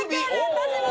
私も！